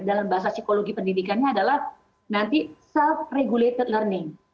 dalam bahasa psikologi pendidikannya adalah nanti self regulated learning